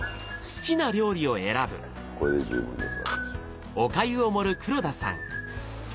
これで十分です私。